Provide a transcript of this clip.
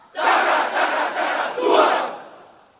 takra takra takra juara